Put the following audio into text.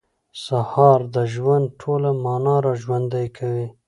سهار د ژوند ټوله معنا راژوندۍ کوي.